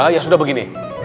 ya sudah begini